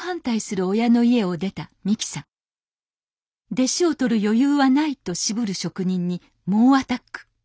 弟子を取る余裕はないと渋る職人に猛アタック。